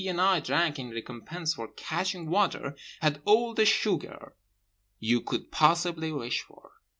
and I drank in recompense for "catching water"—had all the sugar you could possibly wish for.